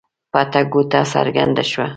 پټه ګوته څرګنده شوه.